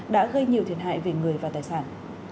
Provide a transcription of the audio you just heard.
đã gây nhiều thiệt hại về người và tài sản